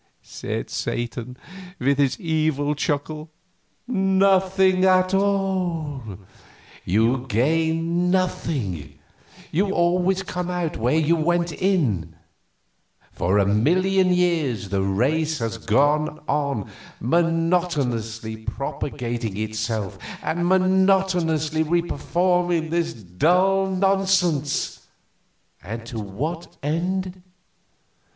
said Satan, with his evil chuckle. "Nothing at all. You gain nothing; you always come out where you went in. For a million years the race has gone on monotonously propagating itself and monotonously reperforming this dull nonsense to what end?